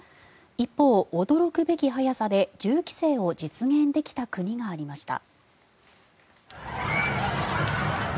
一方、驚くべき早さで銃規制を実現できた国がありました。